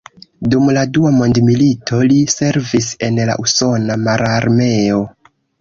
Dum la Dua Mondmilito li servis en la usona mararmeo.